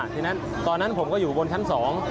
ตอนนั้นตอนนั้นผมก็อยู่บนชั้นสอง